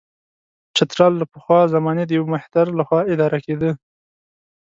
چترال له پخوا زمانې د یوه مهتر له خوا اداره کېده.